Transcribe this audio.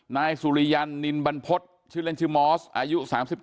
นายสุริยันนินบรรพฤษชื่อเล่นชื่อมอสอายุ๓๒